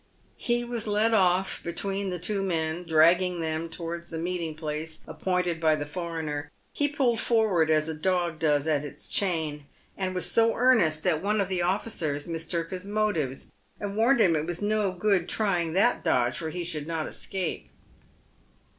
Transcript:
He was led off between the two men, dragging them towards the meeting place appointed by the foreigner. He pulled forward as a dog does at its chain, and was so earnest that one of the officers mistook his motives, and warned him it was no good trying that dodge, for he should not escape.